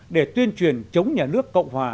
để tuyên truyền chống nhà nước cộng hòa